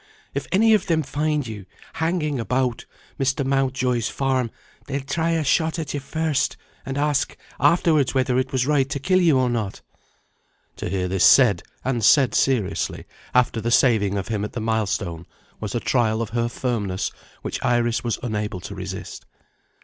If any of them find you hanging about Mr. Mountjoy's farm, they'll try a shot at you first, and ask afterwards whether it was right to kill you or not." To hear this said and said seriously after the saving of him at the milestone, was a trial of her firmness which Iris was unable to resist.